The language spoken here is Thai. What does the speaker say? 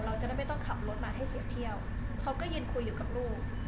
เราจะได้ไม่ต้องขับรถมาให้เสียเที่ยวเขาก็ยืนคุยอยู่กับลูก